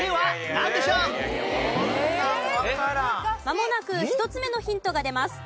まもなく１つ目のヒントが出ます。